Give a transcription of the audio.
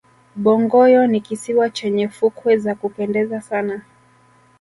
bongoyo ni kisiwa chenye fukwe za kupendeza sana